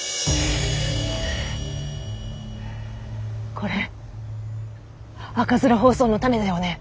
これ赤面疱瘡のたねだよね？